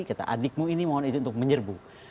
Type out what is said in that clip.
kata adikmu ini mohon izin untuk menyerbu